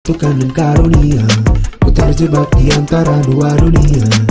tukang dan karunia ku terjebak di antara dua dunia